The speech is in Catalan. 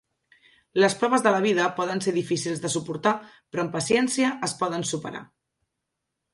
Les proves de la vida poden ser difícils de suportar, però amb paciència es poden superar.